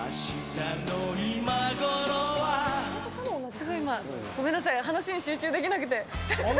ちょっと今、ごめんなさい、話に集中できなくて。